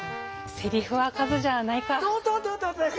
セリフは数じゃないか。